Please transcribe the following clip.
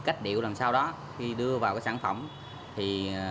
cách điệu làm sau đó khi đưa vào các sản phẩm thì